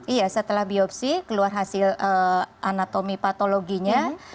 iya setelah biopsi keluar hasil anatomi patologinya